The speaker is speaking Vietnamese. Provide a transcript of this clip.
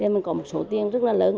mình có một số tiền rất là lớn